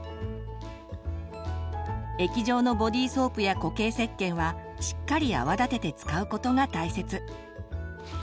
液状のボディソープや固形せっけんはしっかり泡立てて使うことが大切。